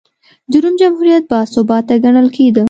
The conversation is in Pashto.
د روم جمهوریت باثباته ګڼل کېده.